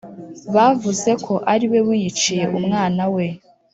Bavuzeko ariwe wiyiciye umwana we